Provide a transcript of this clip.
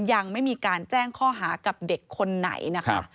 ยังไม่มีการแจ้งข้อหากับเด็กคนไหนนะคะ